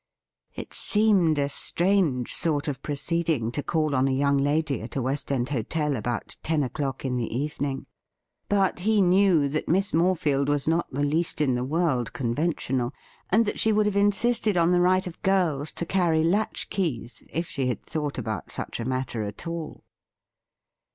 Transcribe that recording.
It seemed a strange sort of proceeding to call on a young lady at a West End hotel about ten o'clock in the evening ; but he knew that Miss Morefield was not the least in the world conventional, and that she would have insisted on the right of girls to carry latch keys if she had thought about such a matter at all.